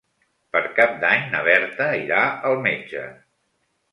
Per Cap d'Any na Berta irà al metge.